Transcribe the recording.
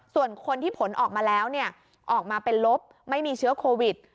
ส่วนคนที่ผลออกมาแล้วออกมาเป็นลบไม่มีเชื้อโควิด